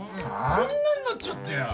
こんなんなっちゃってよ。